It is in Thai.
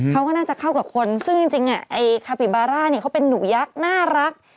เขาก็น่าจะเข้ากับคนซึ่งจริงไอ้คาปิบาร่าเนี่ยเขาเป็นหนูยักษ์น่ารัก